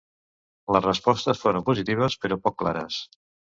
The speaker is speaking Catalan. Les respostes foren positives però poc clares.